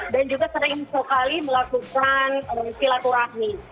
dan juga sering sekali melakukan silaturahmi